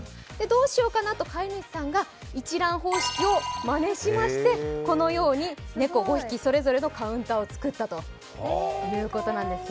どうしようかなと飼い主さんが一蘭方式をまねしまして、このように猫５匹、それぞれのカウンターを作ったということなんです。